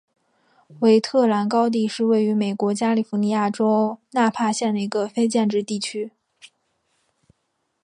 韦特兰高地是位于美国加利福尼亚州纳帕县的一个非建制地区。